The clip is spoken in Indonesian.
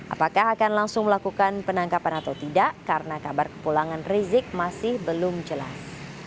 apakah akan langsung melakukan penangkapan atau tidak karena kabar kepulangan rizik masih belum jelas